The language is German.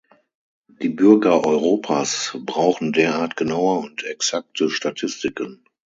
Die Bürger Europas brauchen derart genaue und exakte Statistiken.